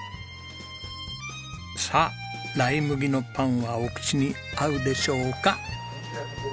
さあライ麦のパンはお口に合うでしょうか？